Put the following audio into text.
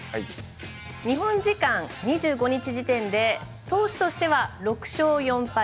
日本時間２５日時点で投手としては６勝４敗。